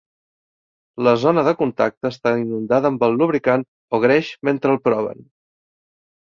La zona de contacte està inundada amb el lubricant o greix mentre el proven.